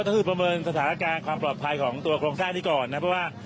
ก็คือประเมินสถานการณ์ความปลอดภัยของตัวโครงสร้างนี้ก่อนนะเพราะว่า